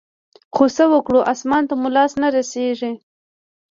خو څه وكړو اسمان ته مو لاس نه رسي.